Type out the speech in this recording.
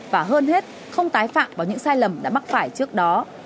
và hơn hết không tái phạm vào những sai lầm đã mắc phải trước đó